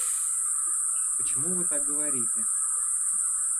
Почему Вы так говорите?